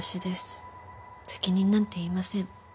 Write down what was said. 「責任なんて言いません。